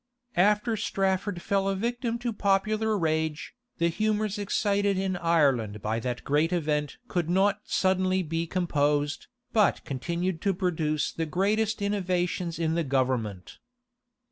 After Strafford fell a victim to popular rage, the humors excited in Ireland by that great event could not suddenly be composed, but continued to produce the greatest innovations in the government.